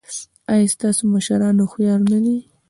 ایا ستاسو مشران هوښیار نه دي؟